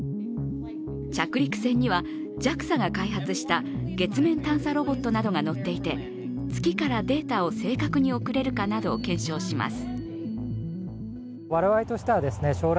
着陸船にはＪＡＸＡが開発した月面探査ロボットなどがのっていて月からデータを正確に送れるかなどを検証します。